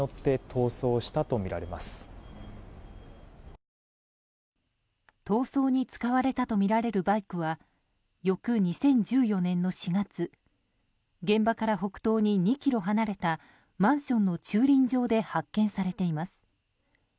逃走に使われたとみられるバイクは翌２０１４年の４月現場から北東に２ｋｍ離れたマンションの駐輪場で発見されています。